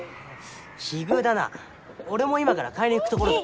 奇遇だな俺も今から買いに行くところだ。